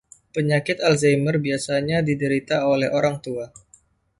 Penyakit Alzheimer biasanya diderita oleh orang tua.